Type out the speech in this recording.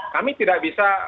kami tidak bisa